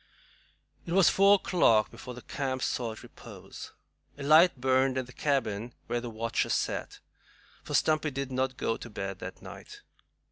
It was four o'clock before the camp sought repose. A light burnt in the cabin where the watchers sat, for Stumpy did not go to bed that night.